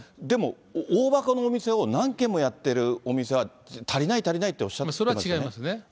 でも、大箱のお店を何件もやってるお店は、足りない足りないっておっしそれは違いますね。